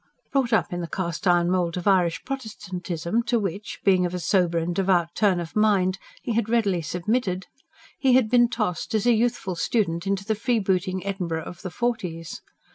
Brought up in the cast iron mould of Irish Protestantism, to which, being of a sober and devout turn of mind, he had readily submitted, he had been tossed, as a youthful student, into the freebooting Edinburgh of the forties.